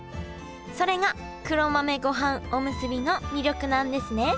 それが黒豆ごはんおむすびの魅力なんですね